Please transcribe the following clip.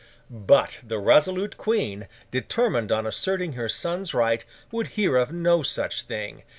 But, the resolute Queen, determined on asserting her son's right, would hear of no such thing.